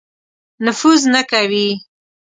نفوذ نه کوي.